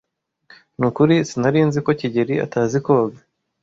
Nukuri sinari nzi ko kigeli atazi koga.